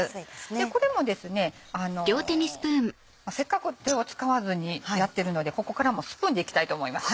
これもせっかく手を使わずにやってるのでここからもスプーンでいきたいと思います。